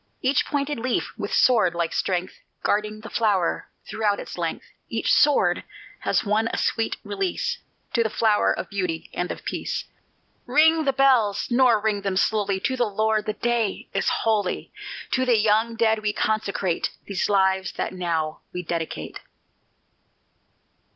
Each pointed leaf with sword like strength, Guarding the flower throughout its length; Each sword has won a sweet release To the flower of beauty and of peace. Ring the bells, nor ring them slowly, To the Lord the day is holy; To the young dead we consecrate These lives that now we dedicate.